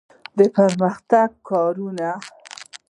د پرمختګ کاروان.